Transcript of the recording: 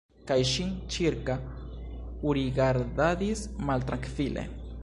Kaj ŝi ĉirkaŭrigardadis maltrankvile.